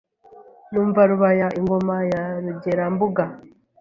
Numva Rubaya ingoma ya Rugerambuga